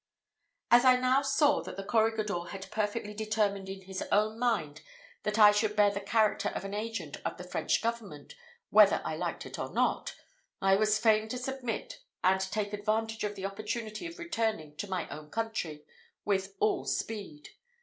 As I now saw that the corregidor had perfectly determined in his own mind that I should bear the character of an agent of the French government, whether I liked it or not, I was fain to submit, and take advantage of the opportunity of returning to my own country with all speed.